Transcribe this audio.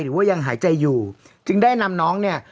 หรือว่ายังหายใจอยู่จึงได้นำน้องเนี่ย